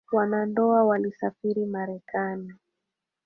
Wanandoa walisafiri marekani